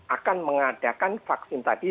akan mengadakan vaksin tadi